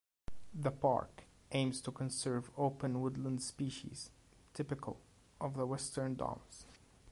The park aims to conserve open woodland species typical of the Western Downs.